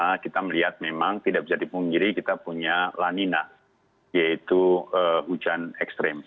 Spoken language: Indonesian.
karena kita melihat memang tidak bisa dipunggiri kita punya lanina yaitu hujan ekstrim